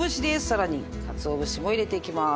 さらにかつお節も入れていきます。